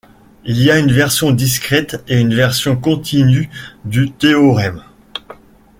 Il y a une version discrète et une version continue du théorème.